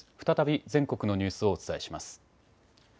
再び全国のニュースをお伝えします。